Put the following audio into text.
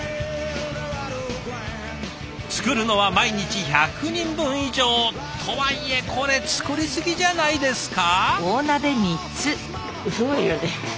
作るのは毎日１００人分以上とはいえこれ作りすぎじゃないですか？